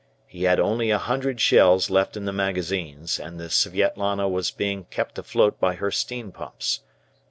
He had only a hundred shells left in the magazines, and the "Svietlana" was being kept afloat by her steam pumps.